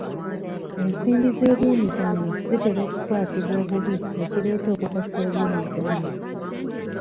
Ensimbi z'ebyemizannyo zitera okukwatibwa obubi ekireeta okukosa eby'emizannyo